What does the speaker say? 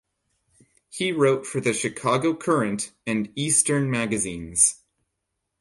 He wrote for the "Chicago Current" and Eastern magazines.